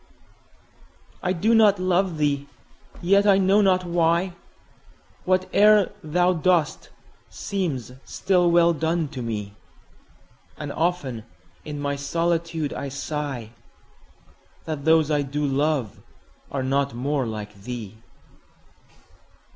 I do not love thee!—yet, I know not why, 5 Whate'er thou dost seems still well done, to me: And often in my solitude I sigh That those I do love are not more like thee!